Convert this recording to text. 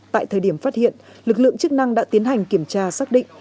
tại thời điểm phát hiện lực lượng chức năng đã tiến hành kiểm tra xác định